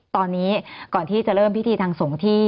ตอนนี้ก่อนที่จะเริ่มพิธีทางสงฆ์ที่